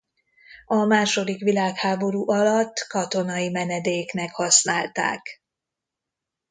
A második világháború alatt katonai menedéknek használták.